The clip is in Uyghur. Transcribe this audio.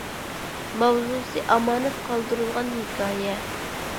ماۋزۇسى ئامانەت قالدۇرۇلغان ھېكايە